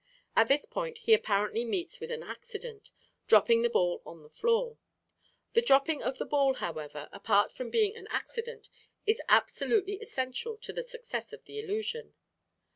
At this point he apparently meets with an accident, dropping the ball on the floor. The dropping of the ball, however, apart from being an accident, is absolutely essential to the success of the illusion.